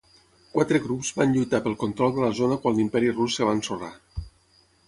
Quatre grups van lluitar pel control de la zona quan l'Imperi Rus es va ensorrar.